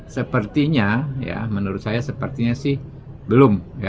sepertinya ya menurut saya sepertinya sih belum